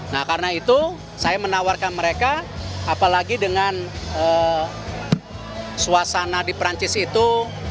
nah karena itu saya menawarkan mereka apalagi dengan suasana di perancis itu